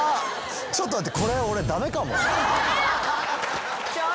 ちょっと待って。